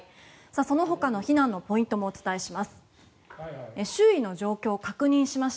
そのほかの避難のポイントもお伝えします。